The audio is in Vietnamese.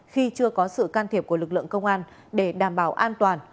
khi chưa có sự can thiệp của lực lượng công an để đảm bảo an toàn